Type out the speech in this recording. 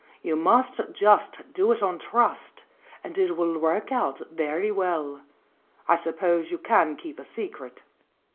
You must just do it on trust, and it will work out very well. I sup pose you can keep a secret."